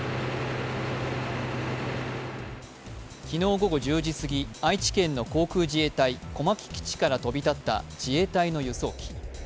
昨日午後１０時過ぎ、愛知県の航空自衛隊小牧基地から飛び立った自衛隊の輸送機。